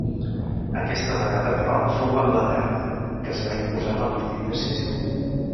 Aquesta vegada, però, fou Anglaterra, que es va imposar en el partit decisiu.